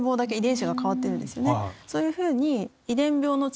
そういうふうに。